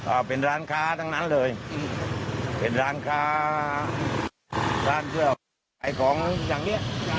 อ่าเป็นร้านค้าทั้งนั้นเลยอืมเป็นร้านค้าร้านเที่ยวขายของอย่างเนี้ย